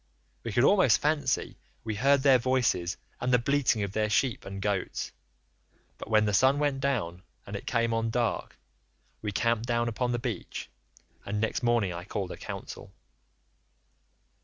We could almost fancy we heard their voices and the bleating of their sheep and goats, but when the sun went down and it came on dark, we camped down upon the beach, and next morning I called a council.